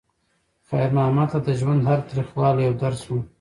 خیر محمد ته د ژوند هر تریخوالی یو درس و.